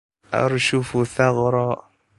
أرشف ثغرًا